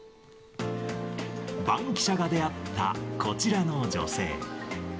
バンキシャが出会った、こちらの女性。